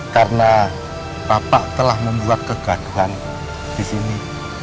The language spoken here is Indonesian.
karena bapak telah membuat kegaduhan disini